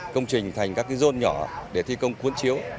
công trình thành các rôn nhỏ để thi công cuốn chiếu